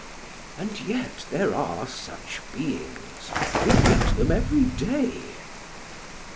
And yet there are such beings : we meet them every day.